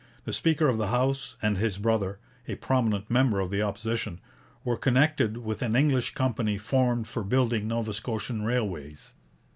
The speaker of the House and his brother, a prominent member of the Opposition, were connected with an English company formed for building Nova Scotian railways.